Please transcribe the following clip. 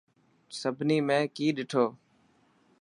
سڀني ۾ ڪئي ڏٺو.